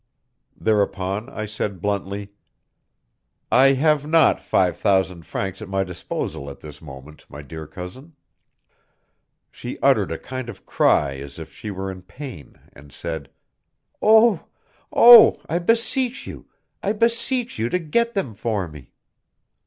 Thereupon I said bluntly: "I have not five thousand francs at my disposal at this moment, my dear cousin." She uttered a kind of cry as if she were in pain and said: "Oh! oh! I beseech you, I beseech you to get them for me...."